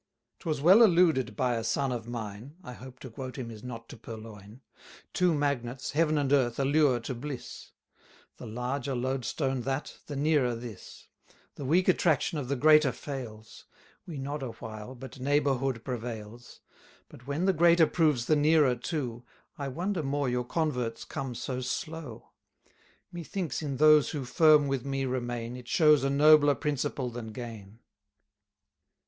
'Twas well alluded by a son of mine (I hope to quote him is not to purloin), Two magnets, heaven and earth, allure to bliss; The larger loadstone that, the nearer this: The weak attraction of the greater fails; 370 We nod a while, but neighbourhood prevails: But when the greater proves the nearer too, I wonder more your converts come so slow. Methinks in those who firm with me remain, It shows a nobler principle than gain.